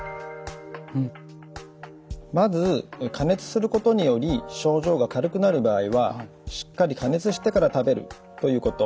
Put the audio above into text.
まず加熱することにより症状が軽くなる場合はしっかり加熱してから食べるということ。